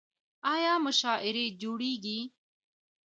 آیا مشاعرې جوړیږي؟